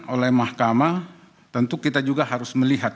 oleh mahkamah tentu kita juga harus melihat